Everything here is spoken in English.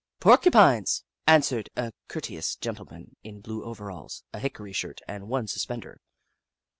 " Porcupines," answered a courteous gentle man in blue overalls, a hickory shirt, and one suspender.